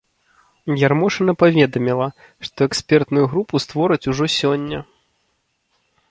Ярмошына паведаміла, што экспертную групу створаць ужо сёння.